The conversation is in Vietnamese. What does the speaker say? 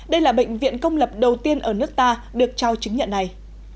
đây là bệnh viện công lập đầu tiên ở nước ta được trao chứng nhận này